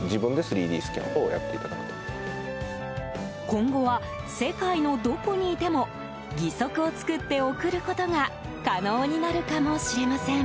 今後は、世界のどこにいても義足を作って送ることが可能になるかもしれません。